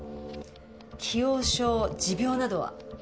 既往症持病などは？